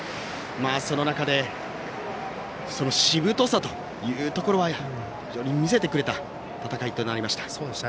その中でしぶとさというところは見せてくれた戦いとなりました。